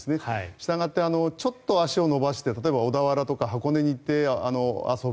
したがってちょっと足を延ばして例えば小田原とか箱根に行って遊ぶ。